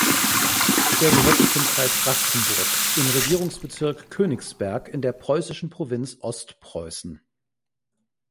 Er gehörte zum Kreis Rastenburg im Regierungsbezirk Königsberg in der preußischen Provinz Ostpreußen.